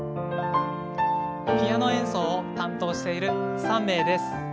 ピアノ演奏を担当している３名です。